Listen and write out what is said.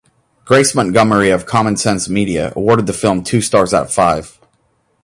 Grace Montgomery of Common Sense Media awarded the film two stars out of five.